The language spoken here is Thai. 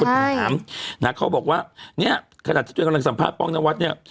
อ่อใช่น่ะเขาบอกว่าเนี้ยขนาดจะด้วยกำลังสัมภาษณ์ป้องนวัดเนี้ย